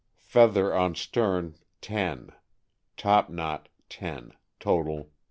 Feather on stern 10 Top knot 10 Total.. .